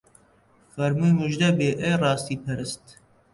فەرمووی موژدەبێ ئەی ڕاستی پەرست